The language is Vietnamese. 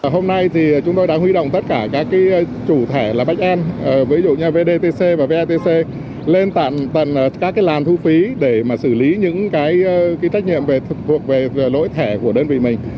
hôm nay thì chúng tôi đã huy động tất cả các chủ thể là bách an ví dụ như vdc và vetc lên tận các cái làn thu phí để mà xử lý những cái trách nhiệm thuộc về lỗi thẻ của đơn vị mình